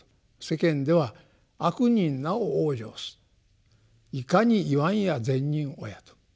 世間では「悪人なを往生すいかにいはんや善人をやと」。